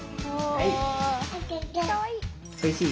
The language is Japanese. おいしい？